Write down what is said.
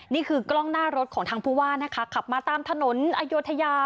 นี่คือกล้องหน้ารถของทางผู้ว่านะคะขับมาตามถนนอโยธยา